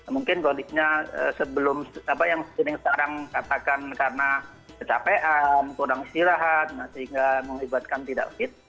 mungkin kondisinya sebelum apa yang screening sekarang katakan karena kecapean kurang istirahat sehingga mengibatkan tidak fit